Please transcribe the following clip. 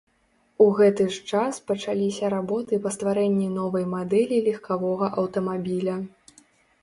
У гэты ж час пачаліся работы па стварэнні новай мадэлі легкавога аўтамабіля.